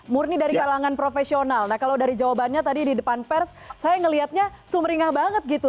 murni dari kalangan profesional nah kalau dari jawabannya tadi di depan pers saya ngelihatnya sumringah banget gitu